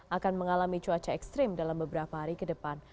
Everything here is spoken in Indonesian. akan mengalami cuaca ekstrim dalam beberapa hari ke depan